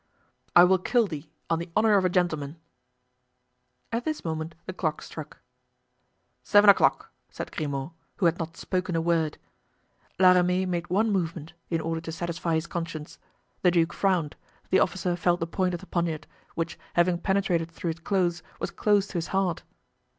"I will kill thee, on the honor of a gentleman." At this moment the clock struck. "Seven o'clock!" said Grimaud, who had not spoken a word. La Ramee made one movement, in order to satisfy his conscience. The duke frowned, the officer felt the point of the poniard, which, having penetrated through his clothes, was close to his heart.